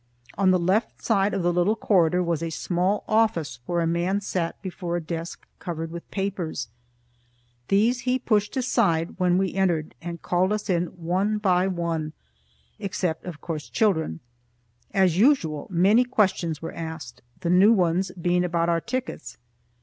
On the left side of the little corridor was a small office where a man sat before a desk covered with papers. These he pushed aside when we entered, and called us in one by one, except, of course children. As usual, many questions were asked, the new ones being about our tickets.